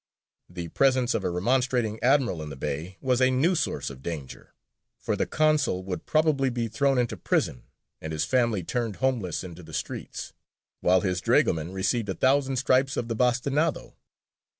The presence of a remonstrating admiral in the bay was a new source of danger; for the consul would probably be thrown into prison and his family turned homeless into the streets, while his dragoman received a thousand stripes of the bastinado.